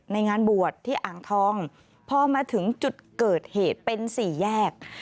งานบวชที่อ่างทองพอมาถึงจุดเกิดเหตุเป็นสี่แยก